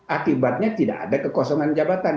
akibatnya tidak ada kekosongan jabatan